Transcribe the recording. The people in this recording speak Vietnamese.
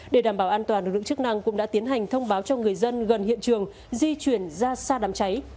để đảm bảo an toàn lực lượng chức năng cũng đã tiến hành thông báo cho người dân gần hiện trường di chuyển ra xa đám cháy